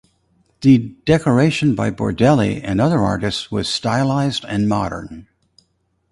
The decoration by Bourdelle and other artists was stylized and modern.